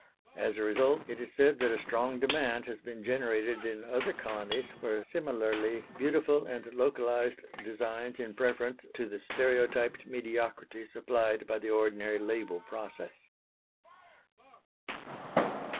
As a result it is said that a strong demand has been generated in other colonies for similarly beautiful and localised designs in preference to the stereotyped mediocrity supplied by the ordinary label process.